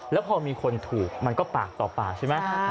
แล้วพอมีคนถูกมันก็ปากต่อปากใช่ไหม